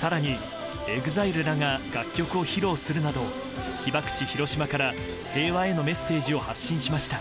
更に、ＥＸＩＬＥらが楽曲を披露するなど被爆地・広島から平和へのメッセージを発信しました。